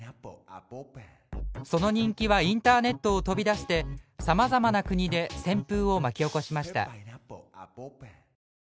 その人気はインターネットを飛び出してさまざまな国で旋風を巻き起こしました。